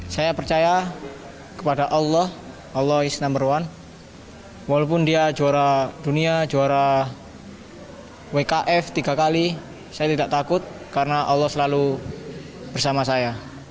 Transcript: saya percaya kepada allah allah is number one walaupun dia juara dunia juara wkf tiga kali saya tidak takut karena allah selalu bersama saya